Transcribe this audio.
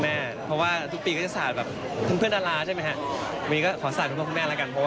ในเรื่องสมการสามกั้มมัวว่าถ้าสะอาดน้ำใครได้